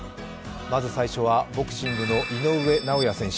まず最初は、ボクシングの井上尚弥選手。